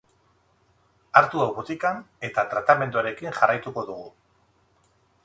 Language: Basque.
Hartu hau botikan eta tratamenduarekin jarraituko dugu.